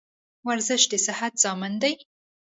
ورزش دصحت ضامن دي.